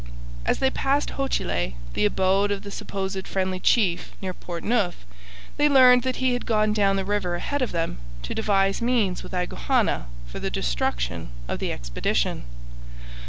As they passed Hochelay the abode of the supposed friendly chief near Portneuf they learned that he had gone down the river ahead of them to devise means with Agouhanna for the destruction of the expedition.